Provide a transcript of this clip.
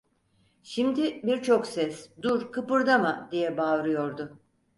Şimdi birçok ses: - Dur kıpırdama! diye bağırıyordu.